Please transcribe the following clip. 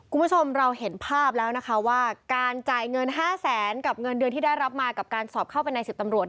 คุณผู้ชมเราเห็นภาพแล้วนะคะว่า